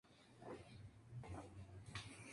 El enfermo estuvo muy lúcido, aseguró.